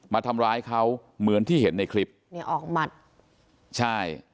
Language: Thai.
มาทำร้ายเขาเหมือนที่เห็นในคลิปเนี่ยออกหมัดใช่